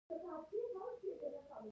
د ماشوم د قبضیت لپاره کوم شربت وکاروم؟